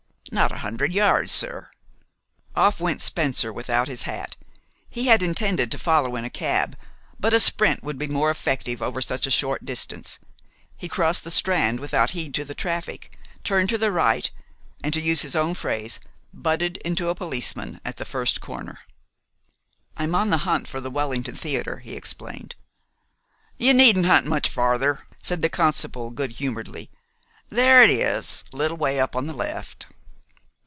"Not a hundred yards, sir." Off went Spencer, without his hat. He had intended to follow in a cab, but a sprint would be more effective over such a short distance. He crossed the Strand without heed to the traffic, turned to the right, and, to use his own phrase, "butted into a policeman" at the first corner. "I'm on the hunt for the Wellington Theater," he explained. "You needn't hunt much farther," said the constable good humoredly. "There it is, a little way up on the left."